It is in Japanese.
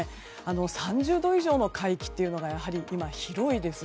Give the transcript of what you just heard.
３０度以上の海域というのがやはり今、広いです。